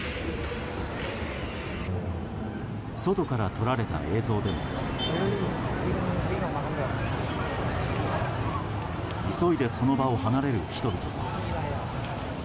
外から撮られた映像でも急いでその場を離れる人々が。